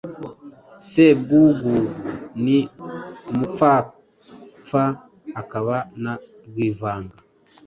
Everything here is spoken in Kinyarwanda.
Sebwugugu ni umupfapfa, akaba na rwivanga